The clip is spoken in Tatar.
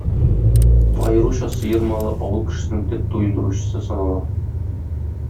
Аеруча сыер малы авыл кешесенең төп туендыручысы санала.